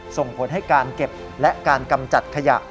ส่งผลให้การเก็บและการกำจัดขยะ